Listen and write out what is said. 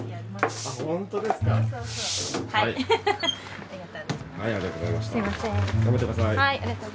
ありがとうございます。